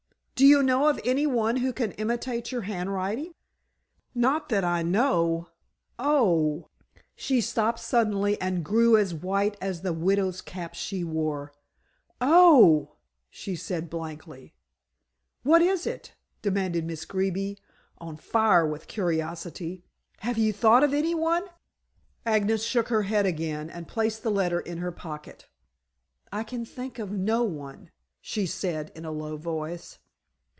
"Do you know of any one who can imitate your handwriting?" "Not that I know oh," she stopped suddenly and grew as white as the widow's cap she wore. "Oh," she said blankly. "What is it?" demanded Miss Greeby, on fire with curiosity. "Have you thought of any one?" Agnes shook her head again and placed the letter in her pocket. "I can think of no one," she said in a low voice.